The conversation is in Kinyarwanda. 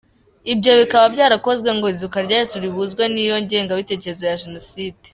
Ibyo bikaba byarakozwe ngo izuka rya Yesu rihuzwe n’iyo ngengabitekerezo ya jenoside.